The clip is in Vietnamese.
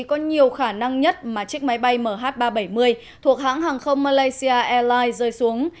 có nhiều khả năng nhất mà chiếc máy bay mh ba trăm bảy mươi thuộc hãng hàng không malaysia airlines rơi xuống